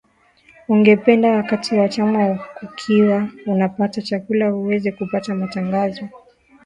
ungependa wakati wa mchana ukiwa unapata chakula uweze kupata matangazo